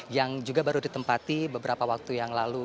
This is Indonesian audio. yang juga baru ditempati beberapa waktu yang lalu